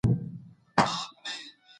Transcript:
دا ودانۍ د نوي سیسټم په واسطه اداره کیږي.